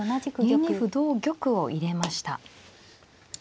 ２二歩同玉を入れました。